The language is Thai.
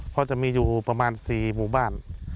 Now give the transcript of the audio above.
เพราะจะมีอยู่ประมาณ๔หมู่บ้าน